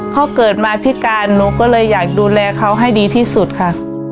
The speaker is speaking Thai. พอเกิดมาพิการหนูก็เลยอยากดูแลเขาให้ดีที่สุดค่ะ